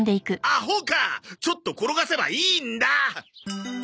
ちょっと転がせばいいんだ！